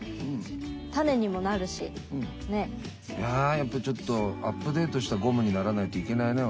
いややっぱちょっとアップデートしたゴムにならないといけないね